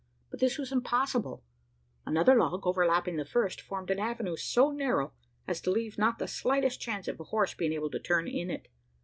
But this was impossible: another log, overlapping the first, formed an avenue, so narrow as to leave not the slightest chance of a horse being able to turn in it.